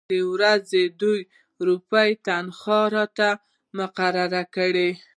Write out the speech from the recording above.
د ورځې دوې روپۍ تنخوا راته مقرره کړه.